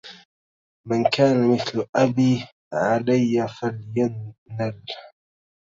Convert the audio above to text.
من كان مثل أبي علي فلينل